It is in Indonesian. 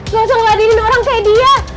nggak usah ngeladinin orang kayak dia